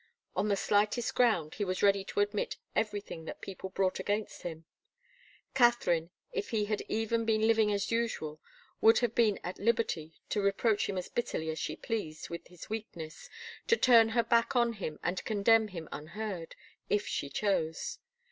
On the slightest ground, he was ready to admit everything that people brought against him. Katharine, if he had even been living as usual, would have been at liberty to reproach him as bitterly as she pleased with his weakness, to turn her back on him and condemn him unheard, if she chose.